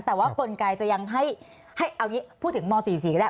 แต่ว่ากลไกจะยังให้เอางี้พูดถึงม๔๔ก็ได้